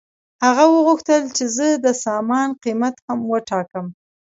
هغه وغوښتل چې زه د سامان قیمت هم وټاکم